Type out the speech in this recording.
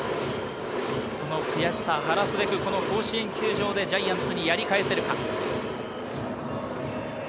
その悔しさ晴らすべく、この甲子園球場でジャイアンツにやり返せるか。